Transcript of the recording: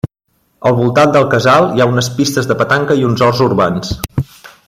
Al voltant del casal hi ha unes pistes de petanca i uns horts urbans.